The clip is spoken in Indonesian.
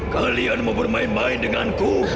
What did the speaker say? kalian mau bermain main denganku